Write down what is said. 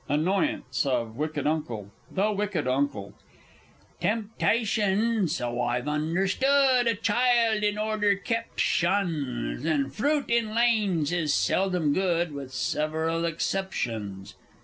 [Annoyance of W. U. The W. U. Temptation (so I've understood) A child, in order kept, shuns; And fruit in lanes is seldom good (With several exceptions).